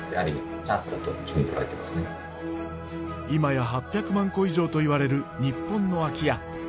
今や８００万戸以上と言われる日本の空き家。